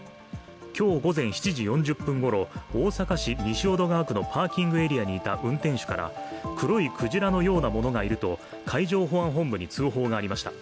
今日午前７時４０分ごろ、大阪市西淀川区のパーキングエリアにいた運転手から黒いクジラのようなものがいると海上保安本部に通報がありました。